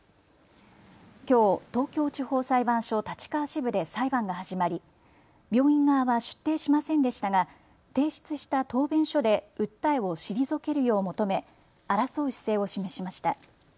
きょう東京地方裁判所立川支部で裁判が始まり病院側は出廷しませんでしたが提出した答弁書で訴えを退けるよう求め争う姿勢を示しました。